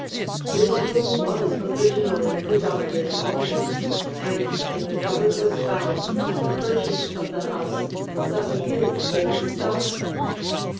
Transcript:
This room was originally the doctor's office, and in the cupboard was found, at the purchase of the house, some of his old stock.